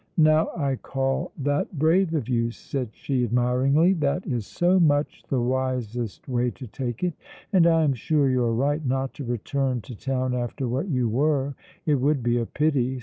"Now I call that brave of you," said she, admiringly. "That is so much the wisest way to take it. And I am sure you are right not to return to town after what you were; it would be a pity.